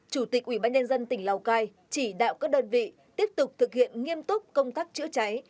chủ tịch ủy ban nhân dân tỉnh lào cai chỉ đạo các đơn vị tiếp tục thực hiện nghiêm túc công tác chữa cháy